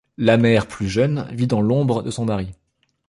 La mère, plus jeune, vit dans l'ombre de son mari.